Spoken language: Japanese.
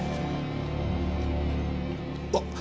あっ！